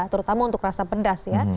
terutama untuk rasa pedas ya